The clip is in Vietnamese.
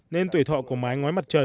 nên tuổi thọ của mái ngói mặt trời